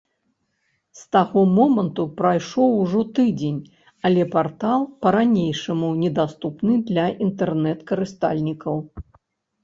З таго моманту прайшоў ужо тыдзень, але партал па-ранейшаму недаступны для інтэрнэт-карыстальнікаў.